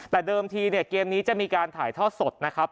แต่เดิมทีเนี่ยเกมนี้จะมีการถ่ายทอดสดนะครับ